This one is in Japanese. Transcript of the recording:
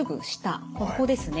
ここですね。